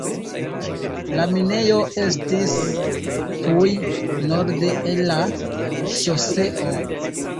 La minejo estis tuj norde el la ŝoseo.